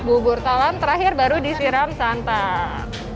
bubur talam terakhir baru disiram santan